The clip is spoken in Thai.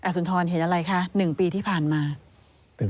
สุนทรเห็นอะไรคะ๑ปีที่ผ่านมา